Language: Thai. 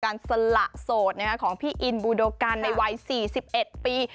สละโสดของพี่อินบูโดกันในวัย๔๑ปี